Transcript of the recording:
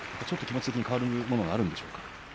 ちょっと気持ち的に変わる部分もあるんでしょうか。